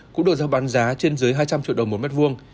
cũng được giao bán giá trên dưới hai trăm linh triệu đồng một mét vuông